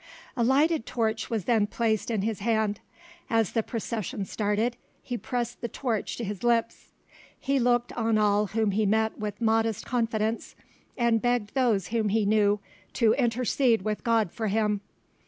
A lighted torch was then placed in his hand: as the procession started he pressed the torch to his lips; he looked on all whom he met with modest confidence, and begged those whom he knew to intercede with God for him.